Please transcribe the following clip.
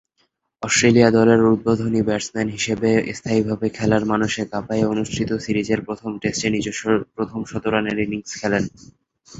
Australia দলের উদ্বোধনী batsman হিসেবে স্থায়ীভাবে খেলার মানসে গাব্বায় অনুষ্ঠিত সিরিজের প্রথম টেস্টে নিজস্ব প্রথম শতরানের ইনিংস খেলেন।